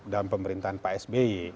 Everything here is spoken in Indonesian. dalam pemerintahan pak sby